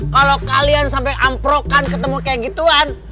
kalau kalian sampai amprokan ketemu kayak gituan